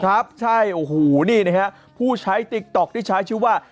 ครับใช่โอ้โหนี่นะฮะผู้ใช้ติ๊กต๊อกที่ใช้ชื่อว่า